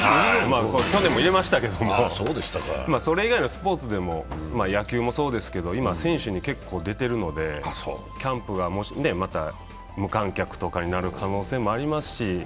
去年も入れましたけれども、それ以外のスポーツでも野球もそうですけど、今、選手に結構出ているので、キャンプが、無観客とかになる可能性もありますし。